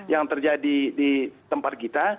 yang terjadi di tempat kita